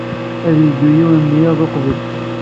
Ad yeddu yiwen n yiḍ uqbel.